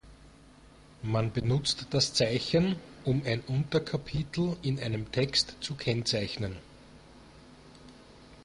Man benutzt das Zeichen, um ein Unterkapitel in einem Text zu kennzeichnen.